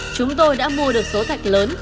chúng tôi đã mua được số thạch lớn